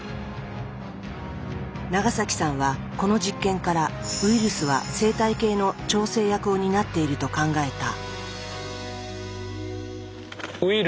長さんはこの実験からウイルスは生態系の調整役を担っていると考えた。